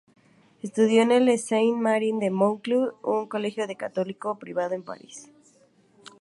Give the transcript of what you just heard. Estudió en el Sainte-Marie de Monceau, un colegio católico privado en París.